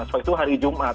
soalnya itu hari jumat